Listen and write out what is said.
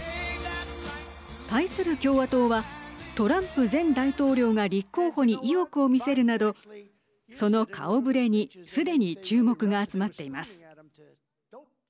対する共和党はトランプ前大統領が立候補に意欲を見せるなどその顔ぶれにすでに注目が集まっています。